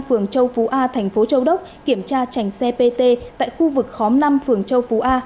phường châu phú a tp châu đốc kiểm tra trành xe pt tại khu vực khóm năm phường châu phú a